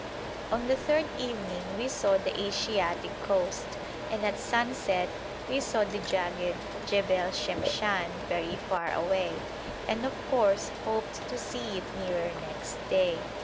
On the third evening we saw the Asiatic coast, and at sunset we saw the jagged Jebel Shemshan very far away, and of course hoped to see it nearer next day.